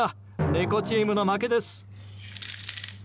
猫チームの負けです。